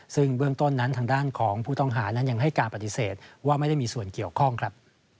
ซึ่งเบื้องต้นนั้นทางด้านของผู้ต้องหานั้นยังให้การปฏิเสธว่าไม่ได้มีส่วนเกี่ยวข้องครับ